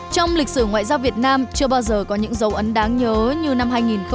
trong lịch sử ngoại giao việt nam chưa bao giờ có những dấu ấn đáng nhớ như năm hai nghìn một mươi